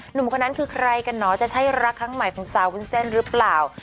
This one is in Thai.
หนุ่มคนนั้นคือใครกันเหรอจะใช่รักครั้งใหม่ของสาววุ้นเส้นหรือเปล่า